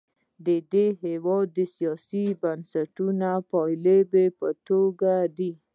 دا د دې هېواد د سیاسي بنسټونو د پایلې په توګه دي.